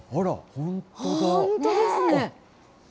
本当ですね。